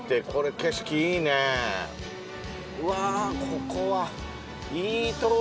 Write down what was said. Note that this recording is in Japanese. うわここは。